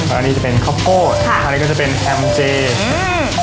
อันนี้จะเป็นข้าวโป้ดครับอันนี้ก็จะเป็นแฮมม์เจอืม